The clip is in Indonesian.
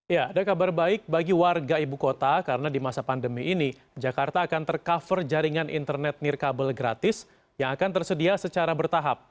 ya ada kabar baik bagi warga ibu kota karena di masa pandemi ini jakarta akan tercover jaringan internet nirkabel gratis yang akan tersedia secara bertahap